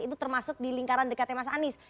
itu termasuk di lingkaran dekatnya mas anies